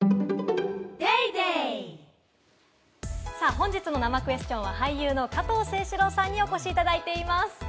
本日の生クエスチョンは俳優の加藤清史郎さんにお越しいただいています。